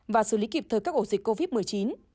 và xử lý kịp thời các ổ dịch covid một mươi chín